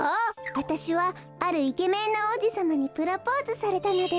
わたしはあるイケメンのおうじさまにプロポーズされたのでした。